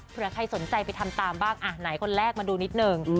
เผื่อใครสนใจไปทำตามบ้างอ่ะไหนคนแรกมาดูนิดนึง